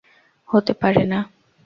হতে পারে না।